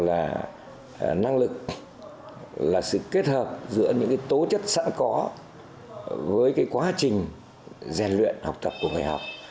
là năng lực là sự kết hợp giữa những cái tố chất sẵn có với cái quá trình rèn luyện học tập của người học